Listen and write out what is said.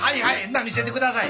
なら見せてください。